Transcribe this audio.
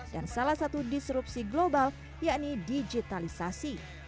disrupsi global yakni digitalisasi